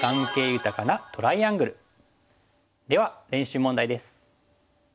では練習問題です。